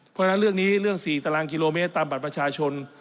เพราะฉะนั้นเรื่องนี้เรื่อง๔ตารางกิโลเมตรตามบัตรประชาชน